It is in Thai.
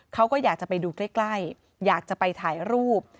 เขาก็อยากจะไปดูใกล้อยากจะไปถ่ายรูป